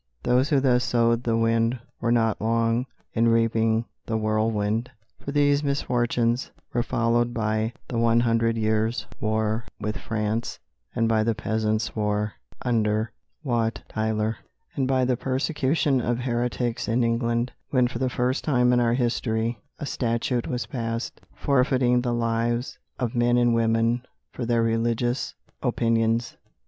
Those who thus sowed the wind were not long in reaping the whirlwind; for these misfortunes were followed by the one hundred years' war with France, by the peasants' war under Wat Tyler, and by the persecution of heretics in England, when for the first time in our history a statute was passed forfeiting the lives of men and women for their religious opinions.